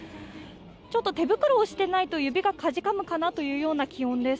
手袋をしていないと指がかじかむかなという気温です。